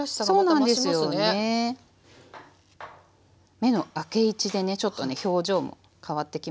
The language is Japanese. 目の開け位置でねちょっとね表情も変わってきますよね。